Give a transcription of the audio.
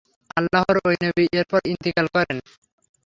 আল্লাহর ঐ নবী এরপর ইন্তিকাল করেন।